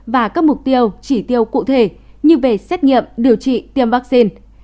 và các mục tiêu chỉ tiêu cụ thể như về xét nghiệm điều trị tiêm vaccine